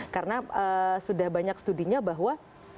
karena sudah banyak studinya bahwa